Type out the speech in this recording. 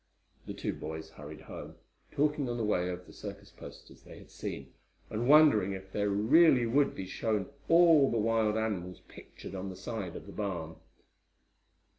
The two boys hurried home, talking on the way of the circus posters they had seen, and wondering if there really would be shown all the wild animals pictured on the side of the barn.